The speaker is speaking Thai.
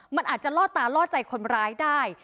มันอาจจะล่อตาล่อใจคนร้ายได้